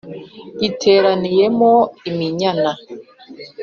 Riteraniyemo Iminyana